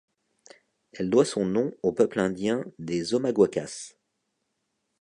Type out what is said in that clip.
Elle doit son nom au peuple indien des Omaguacas.